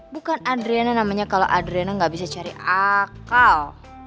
bukan adriana namanya kalau adrena gak bisa cari akal